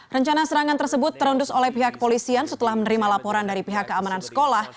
rencana serangan tersebut terendus oleh pihak kepolisian setelah menerima laporan dari pihak keamanan sekolah